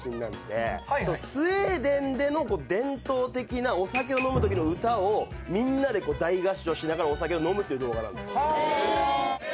スウェーデンでの伝統的なお酒を飲むときの歌をみんなで大合唱しながらお酒を飲むっていう動画なんですよ。